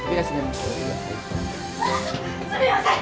すみません！